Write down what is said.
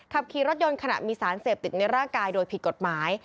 ขับขี่รถยนต์ขณะมีสารเสพติดในร่างกายโดยผิดกฎหมาย